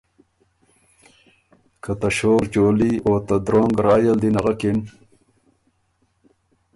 که ته شور چولي او ته درونګ رایٛ ال دی نغکِن